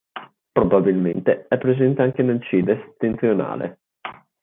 Probabilmente è presente anche nel Cile settentrionale.